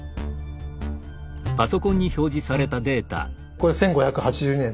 これ１５８２年